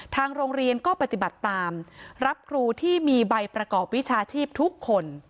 ทางโรงเรียนก็ปฏิบัติตามรับครูที่มีใบประกอบวิชาชีพทุกคน